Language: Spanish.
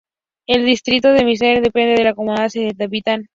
Del distrito de Misamis depende la comandancia de Dapitan.